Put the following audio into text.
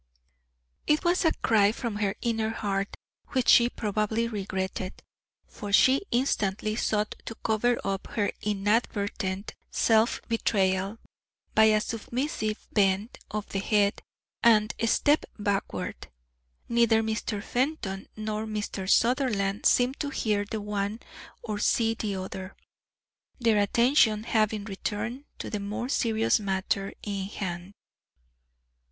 It was a cry from her inner heart, which she probably regretted, for she instantly sought to cover up her inadvertent self betrayal by a submissive bend of the head and a step backward. Neither Mr. Fenton nor Mr. Sutherland seemed to hear the one or see the other, their attention having returned to the more serious matter in hand.